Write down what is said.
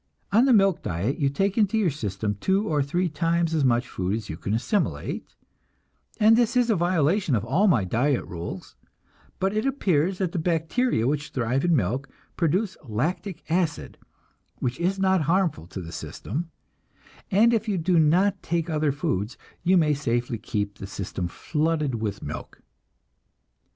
On the milk diet you take into your system two or three times as much food as you can assimilate, and this is a violation of all my diet rules; but it appears that the bacteria which thrive in milk produce lactic acid, which is not harmful to the system, and if you do not take other foods you may safely keep the system flooded with milk.